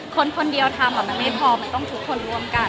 คนคนเดียวทำมันไม่พอมันต้องทุกคนร่วมกัน